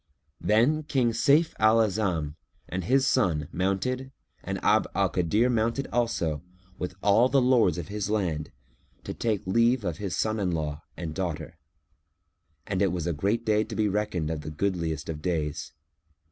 Then King Sayf al A'azam and his son mounted and Abd al Kadir mounted also with all the lords of his land, to take leave of his son in law and daughter; and it was a day to be reckoned of the goodliest of days.